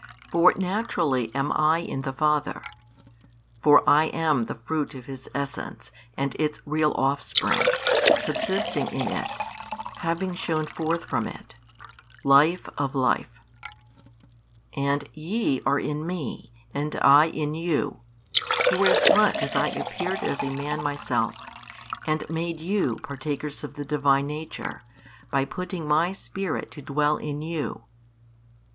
For naturally am I in the Father for I am the Fruit of His Essence and Its real Offspring, subsisting in It, having shone forth from It, Life of Life and ye are in Me and I in you, forasmuch as I appeared as a man Myself, and made you partakers of the Divine Nature by putting My Spirit to dwell in you.